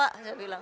ya kayak yang